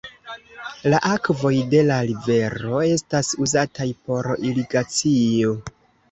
La akvoj de la rivero estas uzataj por irigacio.